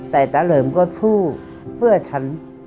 แต่ตาเหลิมก็สู้เพื่อฉัน